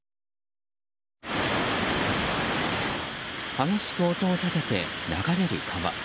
激しく音を立てて流れる川。